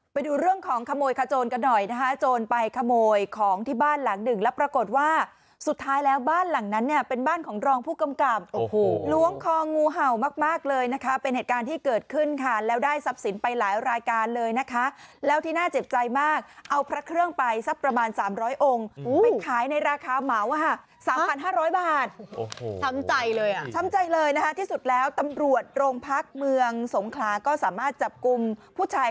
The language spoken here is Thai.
ไปดูเรื่องของขโมยคาโจนกันหน่อยนะคะโจนไปขโมยของที่บ้านหลังหนึ่งแล้วปรากฏว่าสุดท้ายแล้วบ้านหลังนั้นเนี่ยเป็นบ้านของรองผู้กำกับโอ้โหลวงคองงูเห่ามากมากเลยนะคะเป็นเหตุการณ์ที่เกิดขึ้นค่ะแล้วได้ซับสินไปหลายรายการเลยนะคะแล้วที่น่าเจ็บใจมากเอาพลัดเครื่องไปสักประมาณสามร้อยองค์ไปขายในราคาเหมาอะฮะสามพ